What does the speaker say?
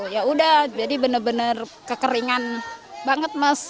ya udah jadi benar benar kekeringan banget mas